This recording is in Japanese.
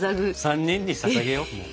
３人にささげようもう。